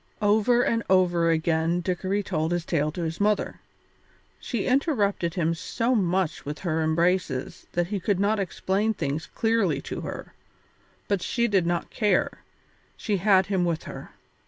Over and over again Dickory told his tale to his mother. She interrupted him so much with her embraces that he could not explain things clearly to her, but she did not care, she had him with her.